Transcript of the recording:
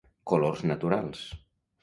Colors naturals.